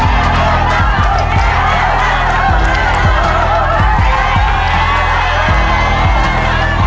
เริ่มขัดทราย